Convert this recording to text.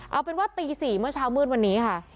เอาเป็นว่าตี๔เมื่อเช้ามืดวันนี้ค่ะ